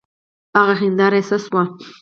هغه ښيښه يې څه سوه.